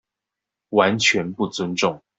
完全不尊重